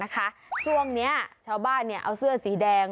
นะคะช่วงนี้ชาวบ้านเนี่ยเอาเสื้อสีแดง